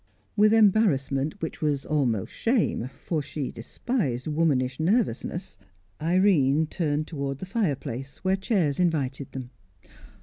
With embarrassment which was almost shame for she despised womanish nervousness Irene turned towards the fireplace, where chairs invited them.